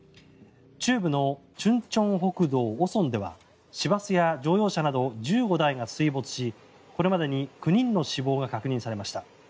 中部の忠清北道五松では市バスや乗用車など１５台が水没しこれまでに９人の死亡が確認されました。